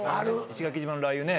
石垣島のラー油ね。